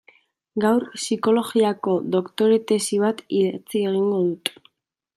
Gaur psikologiako doktore tesi bat idatzi egingo dut.